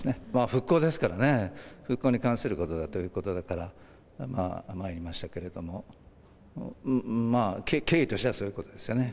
復興ですからね、復興に関することだということだから、参りましたけれども、まあ、経緯としてはそういうことですよね。